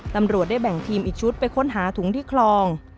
ตำรวจได้แบ่งทีมอีกชุดไปค้นหาถุงที่คลอง